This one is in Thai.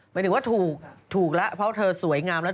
หมายถึงว่าถูกแล้วเพราะเธอสวยงามแล้ว